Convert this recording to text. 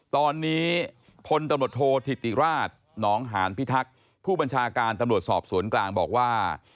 ตอนนี้พลตำรวจโทษธิติราชหนองหานพิทักษ์ผู้บัญชาการตำรวจสอบสวนกลางบอกว่า